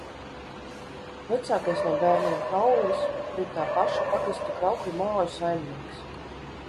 Vecākais no bērniem – Paulis, bija tā paša pagasta Kraukļu māju saimnieks.